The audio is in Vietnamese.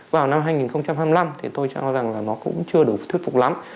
vào năm hai nghìn hai mươi năm thì tôi cho rằng là nó cũng chưa đủ thuyết phục lắm